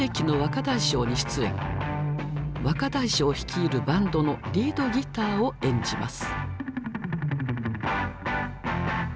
若大将率いるバンドのリードギターを演じます。